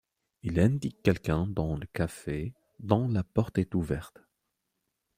Il indique quelqu’un dans le café dont la porte est ouverte.